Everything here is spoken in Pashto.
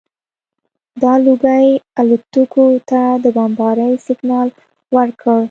دا لوګي الوتکو ته د بمبارۍ سګنال ورکړ